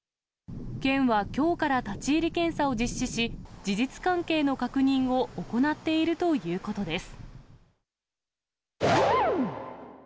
県はきょうから立ち入り検査を実施し、事実関係の確認を行っているということです。